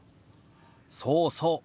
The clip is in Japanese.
そうそう。